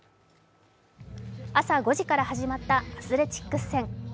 朝５時から始まったアスレチックス戦。